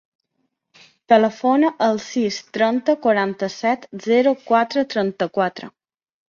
Telefona al sis, trenta, quaranta-set, zero, quatre, trenta-quatre.